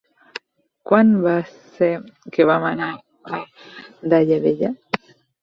Quan va ser que vam anar a Daia Vella?